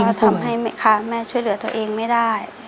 ก็ทำให้แม่ช่วยเหลือตัวเองไม่ได้